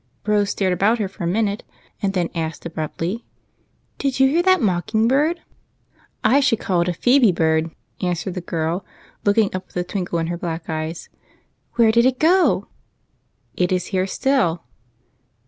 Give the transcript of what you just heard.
Rose stared about her for a minute, and then asked abruptly, —" Did you hear that mocking bird ?"" I should call it a phebe bird," answered the girl, looking up with a twinkle in her black eyes. "" Where did it go ?" "It is here still."